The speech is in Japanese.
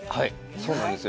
そうなんですよ。